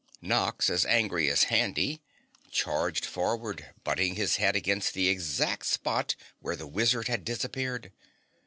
Nox, as angry as Handy, charged forward, butting his head against the exact spot where the wizard had disappeared.